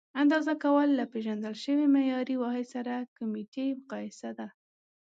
اندازه کول له پیژندل شوي معیاري واحد سره کمیتي مقایسه ده.